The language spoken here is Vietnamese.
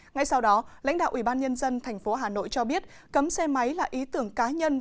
ngay sau đó lãnh đạo ủy ban nhân dân tp hà nội cho biết cấm xe máy là ý tưởng cá nhân